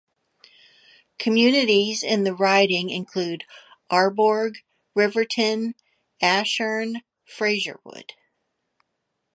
Communities in the riding include Arborg, Riverton, Ashern, Fraserwood.